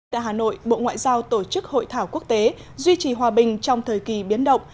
tại hà nội bộ ngoại giao tổ chức hội thảo quốc tế duy trì hòa bình trong thời kỳ biến động